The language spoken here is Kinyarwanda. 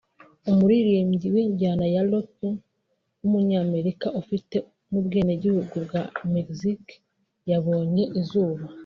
umuririmbyi w’injyana ya Rock w’umunyamerika ufite n’ubwenegihugu bwa Mexique yabonye izuba